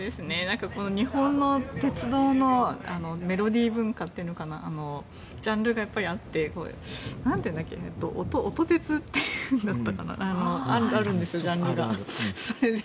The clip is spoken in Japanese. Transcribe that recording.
日本の鉄道のメロディー文化っていうのかなジャンルがやっぱりあって音鉄というんだったかなあるんですよ、ジャンルが。